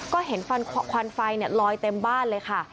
ก็เห็นควันไฟลอยเต็มบ้านเลยค่ะ